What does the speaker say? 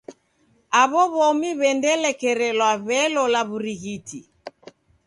Aw'o w'omi w'endalekerelwa w'elola w'urighiti.